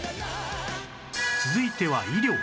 続いては医療